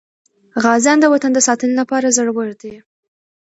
غازیان د وطن د ساتنې لپاره زړور دي.